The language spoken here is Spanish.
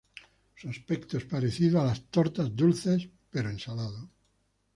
Su aspecto es parecido a las tortas dulces, pero en salado.